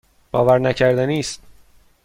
باورنکردنی است.